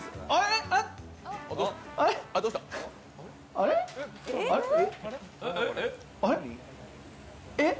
あれれっ！